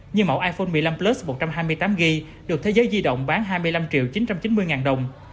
như mẫu iphone một mươi năm plus một trăm hai mươi tám gb được thế giới di động bán hai mươi năm chín trăm chín mươi đồng